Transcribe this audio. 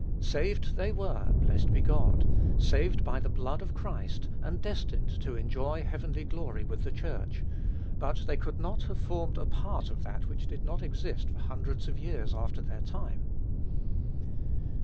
Saved they were, blessed be God: saved by the blood of Christ, and destined to enjoy heavenly glory with the Church; but they could not have formed a part of that which did not exist for hundreds of years after their time.